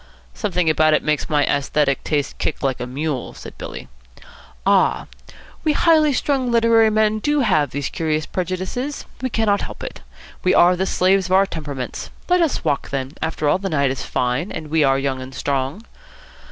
"Something about it makes my aesthetic taste kick like a mule," said Billy. "Ah, we highly strung literary men do have these curious prejudices. We cannot help it. We are the slaves of our temperaments. Let us walk, then. After all, the night is fine, and we are young and strong."